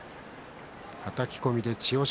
はたき込みで千代翔